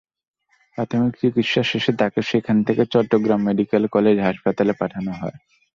প্রাথমিক চিকিৎসা শেষে তাঁকে সেখান থেকে চট্টগ্রাম মেডিকেল কলেজ হাসপাতালে পাঠানো হয়।